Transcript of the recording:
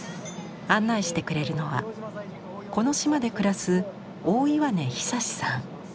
案内してくれるのはこの島で暮らす大岩根尚さん。